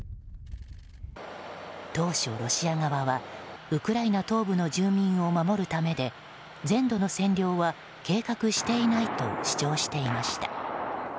当初、ロシア側はウクライナ東部の住民を守るためで全土の占領は計画していないと主張していました。